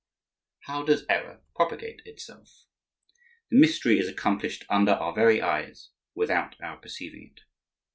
How does error propagate itself? The mystery is accomplished under our very eyes without our perceiving it.